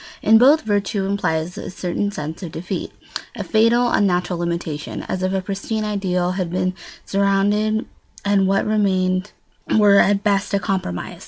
In both, virtue implies a certain sense of defeat, a fatal unnatural limitation, as if a pristine ideal had been surrendered and what remained were at best a compromise.